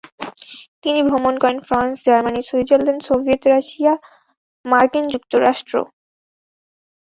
তিনি ভ্রমণ করেন France, Germany, Switzerland, Soviet Russia ও মার্কিন যুক্তরাষ্ট্র।